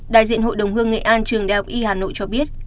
đại diện hội đồng hương nghệ an trường đại học y hà nội cho biết